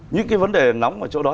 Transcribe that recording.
những cái vấn đề nóng ở chỗ đó